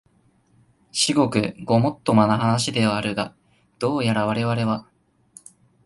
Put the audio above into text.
至極ごもっともな話ではあるが、どうやらわれわれは、